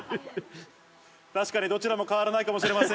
確かにどちらも変わらないかもしれません。